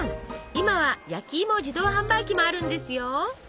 今は焼きいも自動販売機もあるんですよ。